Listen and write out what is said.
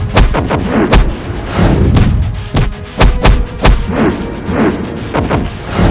tidak diap cellular